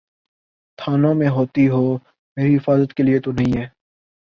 تھانوں میں ہوتی ہو، میری حفاظت کے لیے تو نہیں ہے۔